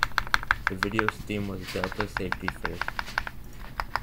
The videos' theme was "Delta Safety First".